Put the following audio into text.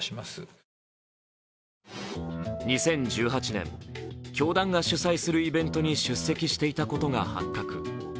２０１８年、教団が主催するイベント出席していたことが発覚。